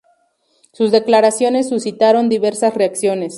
Sus declaraciones suscitaron diversas reacciones.